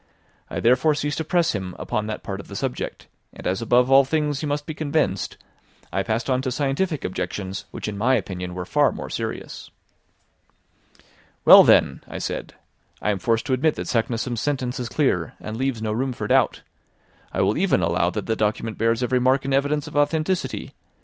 I therefore ceased to press him upon that part of the subject, and as above all things he must be convinced, I passed on to scientific objections, which in my opinion were far more serious. "Well, then," I said, "I am forced to admit that Saknussemm's sentence is clear, and leaves no room for doubt. I will even allow that the document bears every mark and evidence of authenticity.